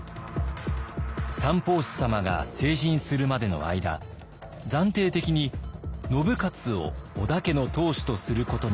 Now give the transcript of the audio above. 「三法師様が成人するまでの間暫定的に信雄を織田家の当主とすることになった」。